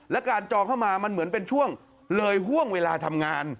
และการจองเข้ามามันเหมือนเป็นช่วง